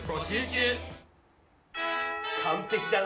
完璧だな！